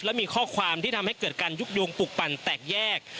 และมีข้อความที่ทำให้เกิดการยุบโยงปลูกปั่นแตกแยก